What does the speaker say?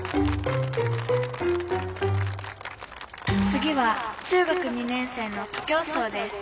「次は中学２年生の徒競走です」。